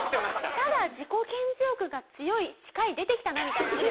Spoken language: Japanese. ただ自己顕示欲が強い歯科医出てきたなみたいな。